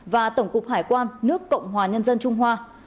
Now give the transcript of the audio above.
và tổng cục hải quan nước cộng hòa nhân dân trung hoa